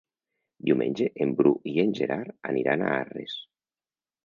Diumenge en Bru i en Gerard aniran a Arres.